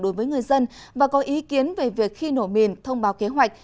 công ty cổ phần gang thép cao bằng có ý kiến về việc khi nổ mìn thông báo kế hoạch